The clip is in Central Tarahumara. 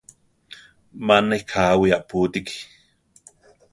¡Ma neʼé káwi apútiki!